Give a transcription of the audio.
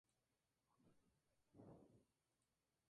Recibió críticas desde mediocres hasta extremadamente malas.